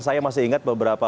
saya masih ingat beberapa